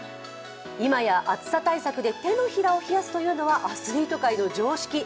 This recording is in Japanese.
今や、暑さ対策で手のひらを冷やすというのはアスリート界の常識。